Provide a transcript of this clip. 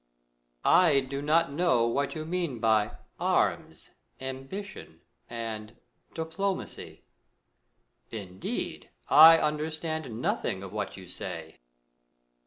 Moon. I do not know what you mean by arms, ambi tion, and diplomacy. Indeed, I understand nothing of what you say.